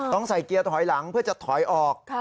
ต้องใส่เกียร์ถอยหลังเพื่อจะถอยออก